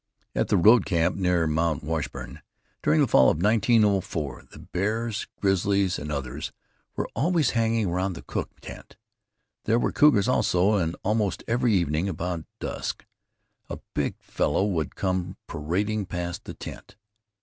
At the road camp, near Mt. Washburn, during the fall of 1904, the bears, grizzlies and others, were always hanging round the cook tent. There were cougars also, and almost every evening, about dusk, a big fellow would come parading past the tent.